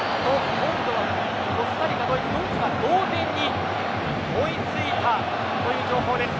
今度はコスタリカ対ドイツドイツが同点に追いついたという情報です。